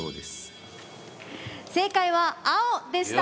正解は青でした。